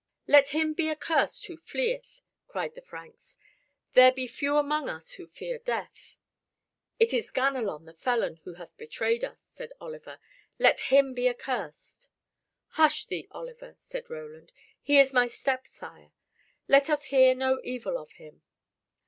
"Let him be accursed who fleeth!" cried the Franks. "There be few among us who fear death." "It is Ganelon the felon, who hath betrayed us," said Oliver, "let him be accursed." "Hush thee, Oliver," said Roland; "he is my stepsire. Let us hear no evil of him."